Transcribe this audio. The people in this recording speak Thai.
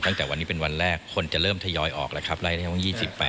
ตั้งแต่วันนี้เป็นวันแรกคนจะเริ่มทยอยออกแล้วครับไล่ได้ว่า๒๘